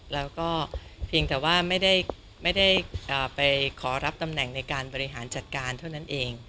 แล้วก็เพียงแต่ว่าไม่ได้ไปขอรับตำแหน่งในการบริหารจัดการเท่านั้นเอง